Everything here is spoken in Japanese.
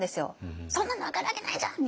「そんなの分かるわけないじゃん！」